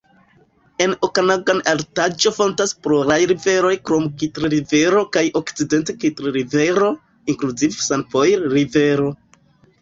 En Okanagan-Altaĵo fontas pluraj riveroj krom Kitl-Rivero kaj Okcident-Kitl-Rivero, inkluzive Sanpojl-Rivero.